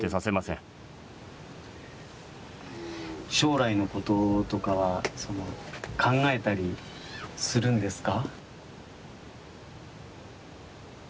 将来のこととかは考えたりするんですか。